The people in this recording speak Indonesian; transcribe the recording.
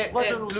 gue ada urusan